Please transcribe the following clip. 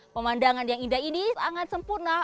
pemandangan yang indah ini sangat sempurna